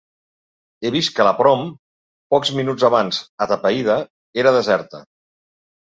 He vist que ‘la Prom’, pocs minuts abans atapeïda, era deserta.